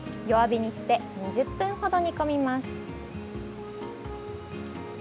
弱火にして２０分ほど煮込みます。